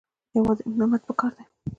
یوازې همت پکار دی